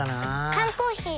缶コーヒー